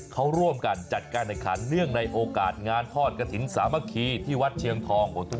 เขาร่วมกันจัดการแข่งขันเนื่องในโอกาสงานทอดกระถิ่นสามัคคีที่วัดเชียงทอง